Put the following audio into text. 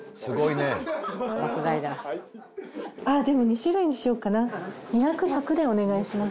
でも２種類にしようかな。